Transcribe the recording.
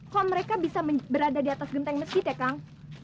kok mereka bisa berada di atas genteng masjid ya kang